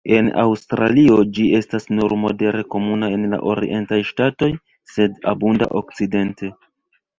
En Aŭstralio ĝi estas nur modere komuna en la orientaj ŝtatoj, sed abunda okcidente.